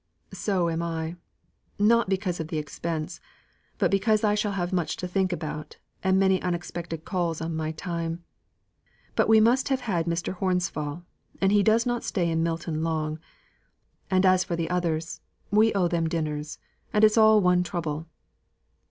"So am I, not because of the expense, but because I shall have much to think about, and many unexpected calls on my time. But we must have had Mr. Horsfall, and he does not stay in Milton long. And as for the others, we owe them dinners, and it's all one trouble."